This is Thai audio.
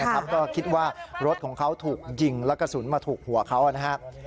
ก็คิดว่ารถของเขาถูกยิงและกระสุนมาถูกหัวเขานะครับ